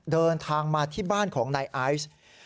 เดินทางมาที่บ้านของนายไอซ์